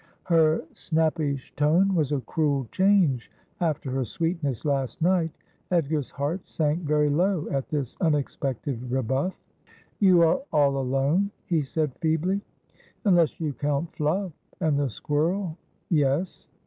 Her snappish tone was a cruel change after her sweetness last night. Edgar's heart sank very low at this unexpected rebuff. ' You are all alone,' he said feebly. ' Unless you count Fluff and the squirrel, yes.